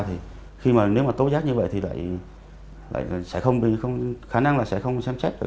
thì khi mà nếu mà tố giác như vậy thì lại sẽ không khả năng là sẽ không xem xét